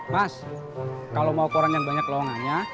mas kalau mau koran yang banyak loangannya